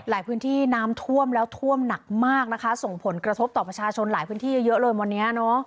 พื้นที่น้ำท่วมแล้วท่วมหนักมากนะคะส่งผลกระทบต่อประชาชนหลายพื้นที่เยอะเลยวันนี้